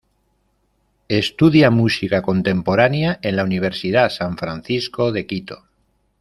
Estudia Música Contemporánea en la Universidad San Francisco de Quito.